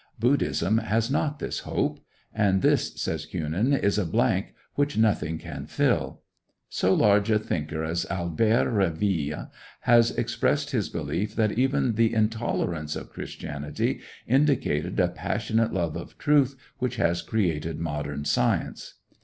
Buddhism has not this hope; and this, says Kuenen, "is a blank which nothing can fill." So large a thinker as Albert Réville has expressed his belief that even the intolerance of Christianity indicated a passionate love of truth which has created modern science.